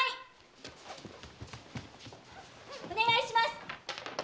お願いします！